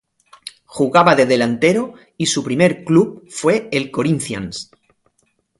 Jugaba de delantero y su primer club fue el Corinthians.